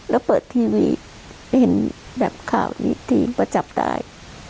แล้วเปิดทีวีเห็นแบบข่าวนี้ทิ้งประจับตาย